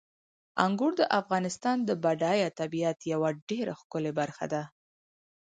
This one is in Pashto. انګور د افغانستان د بډایه طبیعت یوه ډېره ښکلې برخه ده.